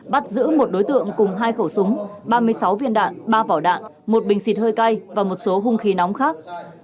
bắt giữ một đối tượng cùng hai khẩu súng ba mươi sáu viên đạn ba vỏ đạn một bình xịt hơi cay và một số hung khí nóng khác